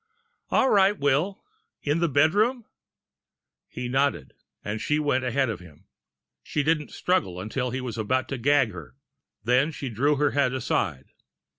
"All right, Will. In the bedroom?" He nodded, and she went ahead of him. She didn't struggle, until he was about to gag her. Then she drew her head aside.